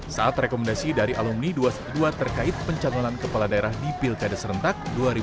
saat rekomendasi dari alumni dua ratus dua belas terkait pencanggolan kepala daerah di pilkada serentak